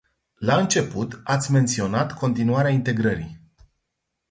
La început, ați menționat continuarea integrării.